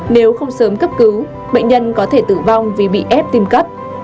nếu không sớm cấp cứu bệnh nhân có thể tử vong vì bị ép tim cấp